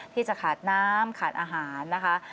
ที่จะขาดน้ำขาดอาหารนะคะ